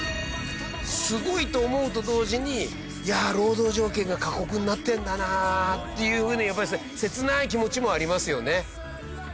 すごいと思うと同時に労働条件が過酷になってるんだなっていう風にやっぱり切ない気持ちもありますよね。